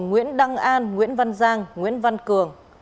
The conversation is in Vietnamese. nguyễn đăng an nguyễn văn giang nguyễn văn cường